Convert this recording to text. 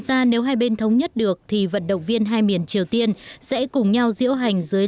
ra nếu hai bên thống nhất được thì vận động viên hai miền triều tiên sẽ cùng nhau diễu hành dưới